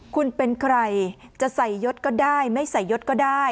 คุณเป็นใครจะใส่ยดก็ได้ไม่ใส่ยดก็ได้